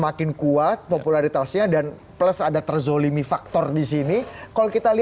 waktu dia terpilih amerika sudah mengalami krisis apa finansial